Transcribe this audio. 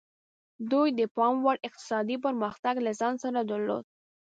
دوی د پاموړ اقتصادي پرمختګ له ځان سره درلود.